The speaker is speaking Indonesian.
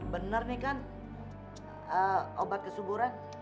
benar nih kan obat kesuburan